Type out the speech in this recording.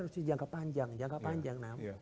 harusnya jangka panjang jangka panjang